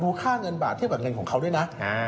ค่าเงินบาทเทียบกับเงินของเขาด้วยนะ